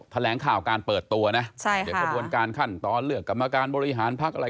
แถลงข่าวการเปิดตัวนะใช่ค่ะเดี๋ยวกระบวนการขั้นตอนเลือกกรรมการบริหารพักอะไร